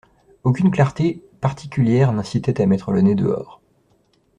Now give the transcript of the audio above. Aucune clarté particulière n’incitait à mettre le nez dehors.